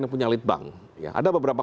yang punya lidbang ada beberapa